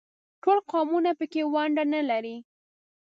ټول قومونه په کې ونډه نه لري.